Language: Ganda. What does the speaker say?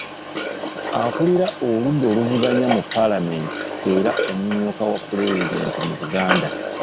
Akulira oludda oluvuganya mu paalamenti era omumyuka wa pulezidenti mu Buganda.